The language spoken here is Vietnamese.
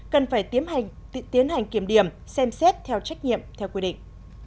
cần phải tiến hành kiểm điểm xem xét theo trách nhiệm theo quy định